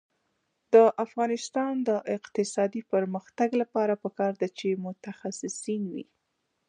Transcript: د افغانستان د اقتصادي پرمختګ لپاره پکار ده چې متخصصین وي.